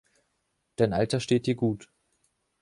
Dein Alter steht dir gut.